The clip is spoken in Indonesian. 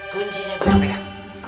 kuncinya gue mau pegang